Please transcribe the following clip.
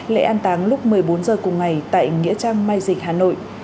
lễ an táng lúc một mươi bốn h cùng ngày tại nghĩa trang mai dịch hà nội